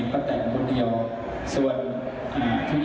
พระแต่งคนเดียวส่วนอ่าทุกอีกที่มีอากาศได้พูดคุยก็